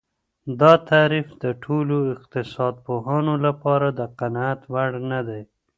دا تعريف د ټولو اقتصاد پوهانو لپاره د قناعت وړ نه دی.